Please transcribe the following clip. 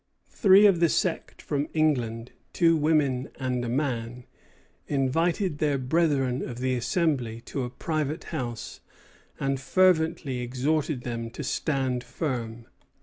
Three of the sect from England, two women and a man, invited their brethren of the Assembly to a private house, and fervently exhorted them to stand firm.